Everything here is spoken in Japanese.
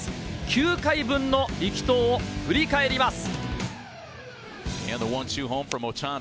９回分の力投を振り返ります。